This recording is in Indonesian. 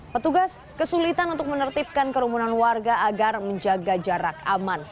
petugas kesulitan untuk menertibkan kerumunan warga agar menjaga jarak aman